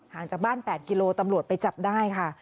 ห่างจากบ้าน๘กิโลกรัมตำรวจไปจับได้ค่ะ